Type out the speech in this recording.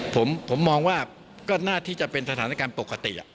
ผมมองว่าก็น่าที่จะเป็นสถานการณ์ปกติ